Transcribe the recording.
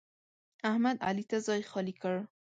احمد؛ علي ته ځای خالي کړ.